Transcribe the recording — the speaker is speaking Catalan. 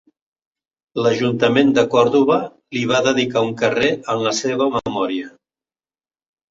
L'Ajuntament de Còrdova li va dedicar un carrer en la seva memòria.